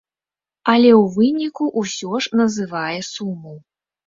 Але ў выніку ўсё ж называе суму.